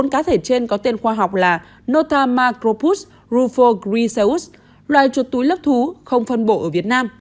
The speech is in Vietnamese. bốn cá thể trên có tên khoa học là notamacropus rufo griseus loài chuột túi lớp thú không phân bộ ở việt nam